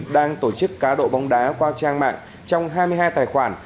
đang tổ chức cá độ bóng đá qua trang mạng trong hai mươi hai tài khoản